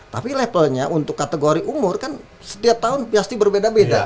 tapi levelnya untuk kategori umur kan setiap tahun pasti berbeda beda